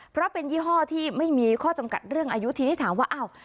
เพราะเป็นยี่ห้อที่ไม่มีข้อจำกัดเรื่องอายุทีนี้ถามว่าอ้าว